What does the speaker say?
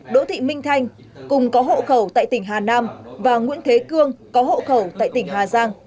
đỗ thị minh thanh cùng có hộ khẩu tại tỉnh hà nam và nguyễn thế cương có hộ khẩu tại tỉnh hà giang